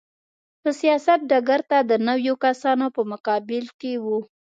په سیاست ډګر ته د نویو کسانو په مقابل کې و.